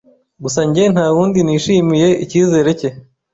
Gusa njye ntawundi nishimiye ikizere cye